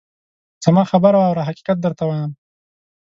زما خبره واوره ! حقیقت درته وایم.